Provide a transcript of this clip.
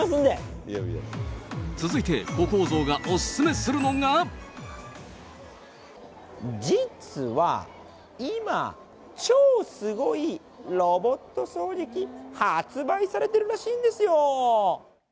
続いて、小公造がお勧めする実は、今、超すごいロボット掃除機、発売されてるらしいんですよ。